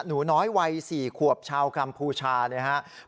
หนูน้อยวัย๔ขวบชาวกัมพูชานะครับ